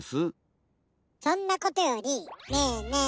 そんなことよりねぇねぇ